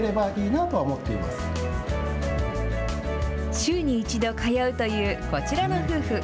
週に１度通うというこちらの夫婦。